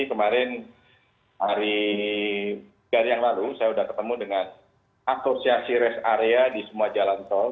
kemarin hari yang lalu saya sudah ketemu dengan asosiasi rest area di semua jalan tol